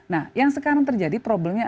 nah yang sekarang terjadi problemnya